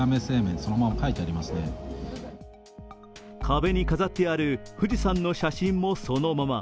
壁に飾っている富士山の写真もそのまま。